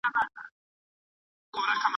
د يتيمانو سرپرستي کول ثواب لرونکی کار دی.